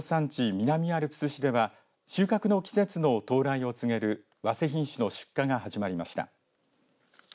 南アルプス市では収穫の季節の到来を告げるわせ品種の出荷が始まりました。